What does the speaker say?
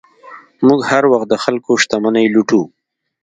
موږ هر وخت د خلکو شتمنۍ لوټو.